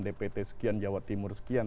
dpt sekian jawa timur sekian